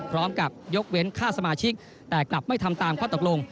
ยกเว้นค่าสมาชิกแต่กลับไม่ทำตามข้อตกลง